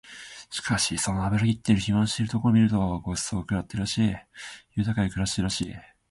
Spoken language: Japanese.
しかしその脂ぎって肥満しているところを見ると御馳走を食ってるらしい、豊かに暮らしているらしい